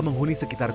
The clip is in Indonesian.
melanggan majek jurus